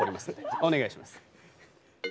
お願いします。